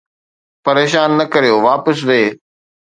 پريشان نه ڪريو، واپس ويھ